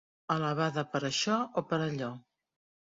Alabada per això o per allò.